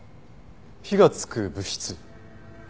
火がつく物質？